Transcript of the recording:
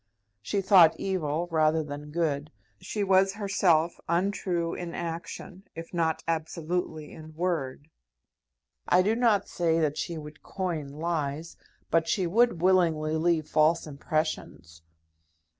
She thought evil rather than good. She was herself untrue in action, if not absolutely in word. I do not say that she would coin lies, but she would willingly leave false impressions.